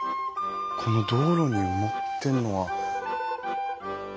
この道路に埋まってるのは。